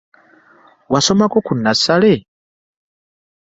Wassomako ku nassale?